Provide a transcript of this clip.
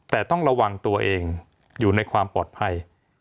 แต่ต้องระวังตัวเองอยู่ในความปลอดภัย